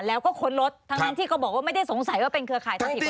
แล้วก็ค้นรถทั้งที่เขาบอกว่าไม่ได้สงสัยว่าเป็นเครือข่ายทัพภิกษ์มันอะไร